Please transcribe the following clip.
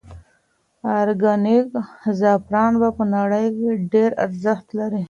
ارګانیک زعفران په نړۍ کې ډېر ارزښت لري.